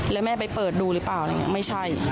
แล้วแม่ไปเปิดดูหรือเปล่าอะไรอย่างนี้ไม่ใช่